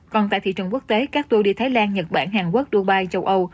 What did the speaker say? còn tại thị trường quốc tế các tour đi thái lan nhật bản hàn quốc dubai châu âu